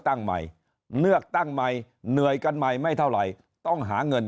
ตั้งใหม่เลือกตั้งใหม่เหนื่อยกันใหม่ไม่เท่าไหร่ต้องหาเงิน